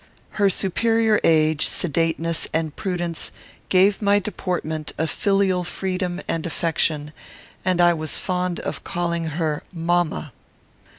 Her superior age, sedateness, and prudence, gave my deportment a filial freedom and affection, and I was fond of calling her "mamma."